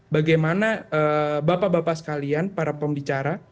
bagaimana bapak bapak sekalian para pembicara